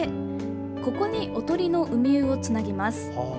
ここに、おとりのウミウをつなぎます。